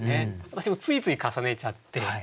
私もついつい重ねちゃって。